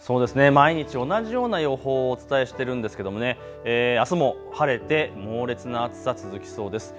毎日同じような予報をお伝えしてるんですけどあすも晴れて猛烈な暑さ続きそうです。